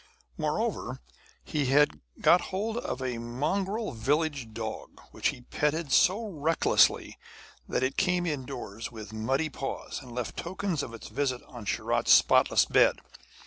Moreover, he had got hold of a mongrel village dog which he petted so recklessly that it came indoors with muddy paws, and left tokens of its visit on Sharat's spotless bed.